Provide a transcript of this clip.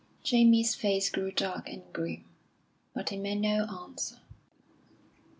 Jamie's face grew dark and grim, but he made no answer.